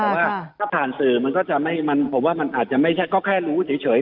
แต่ว่าถ้าผ่านสื่อมันก็จะผมว่ามันอาจจะไม่ใช่ก็แค่รู้เฉย